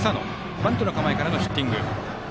バントの構えからのヒッティング。